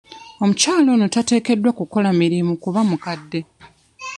Omukyala ono tateekeddwa kukola mirimu kuba mukadde.